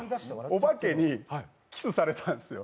おばけにキスされたんですよ。